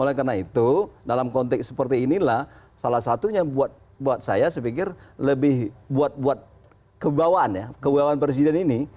oleh karena itu dalam konteks seperti inilah salah satunya buat saya saya pikir lebih buat buat kebawaan ya kewibawaan presiden ini